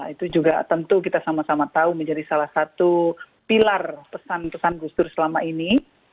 itu juga tentu kita sama sama tahu menjadi salah satu pilar pesan pesan gus dur selama ini